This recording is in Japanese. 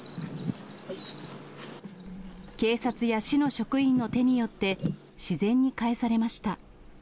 警察や市の職員の手によって、自然に帰されました。